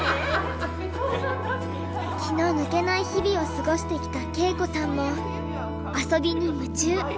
気の抜けない日々を過ごしてきた恵子さんも遊びに夢中。